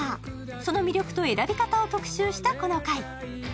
その魅力と選び方を特集したこの回。